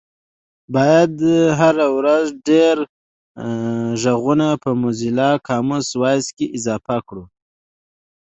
باید هره ورځ ډېر غږونه په موزیلا کامن وایس کې اضافه کړو